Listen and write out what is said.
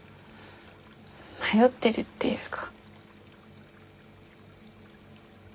迷ってるっていうか。